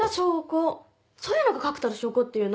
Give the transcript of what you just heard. そういうのが確たる証拠っていうの。